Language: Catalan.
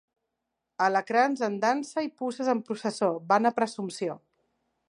Alacrans en dansa i puces en processó, vana presumpció.